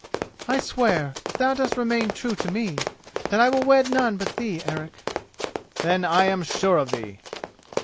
"I swear, if thou dost remain true to me, that I will wed none but thee, Eric." "Then I am sure of thee."